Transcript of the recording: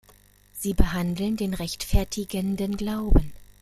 Sie behandeln den rechtfertigenden Glauben.